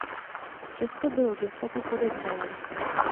Přesto bylo gestapu podezřelé.